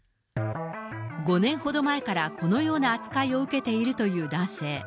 ５年ほど前からこのような扱いを受けているという男性。